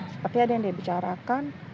seperti ada yang dia bicarakan